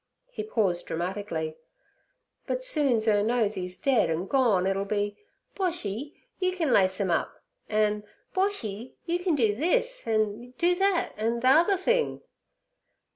He paused dramatically. 'But soon's 'er knows 'e's dead an' gorn it'll be, "Boshy, you can lace 'em up," an' "Boshy, you can do this, an' do thet, an' ther other thing."